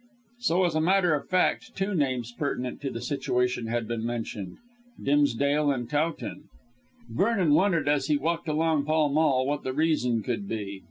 So, as a matter of fact, two names pertinent to the situation had been mentioned, Dimsdale and Towton. Vernon wondered as he walked along Pall Mall what the reason could be.